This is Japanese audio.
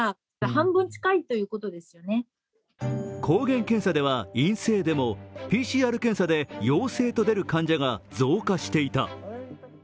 抗原検査では陰性でもＰＣＲ検査で陽性と出る患者が増加していた。